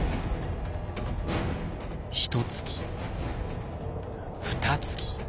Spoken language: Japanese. ひとつきふたつき。